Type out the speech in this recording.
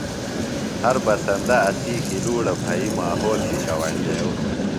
ہر بسندہ اسی کِلُوڑہ بھئ ماحول شِشہ ویننڈیو۔